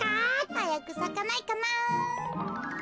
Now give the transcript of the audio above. はやくさかないかな。